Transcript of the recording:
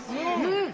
うん！